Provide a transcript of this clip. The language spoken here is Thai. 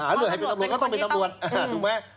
อ่าต้องเป็นตำรวจถูกไหม